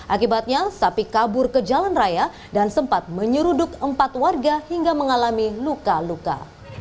akibatnya sapi kabur ke jalan raya dan sempat menyeruduk empat warga hingga mengalami luka luka